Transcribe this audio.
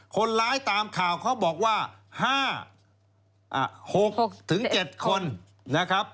คนร้ายตามข่าวเขาบอกว่า๖๗คน